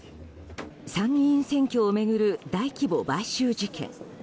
参議院選挙を巡る大規模買収事件。